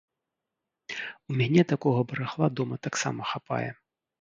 У мяне такога барахла дома таксама хапае.